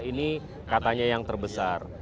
ini katanya yang terbesar